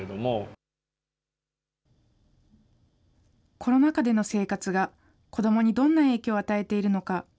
コロナ禍での生活が、子どもにどんな影響を与えているのか。